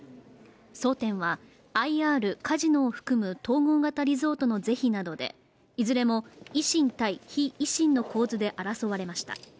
争点は、ＩＲ＝カジノを含む統合型リゾートの是非などでいずれも維新対非維新の構図で争われました。